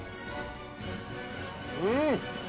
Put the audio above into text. うん！